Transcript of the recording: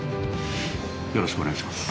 よろしくお願いします。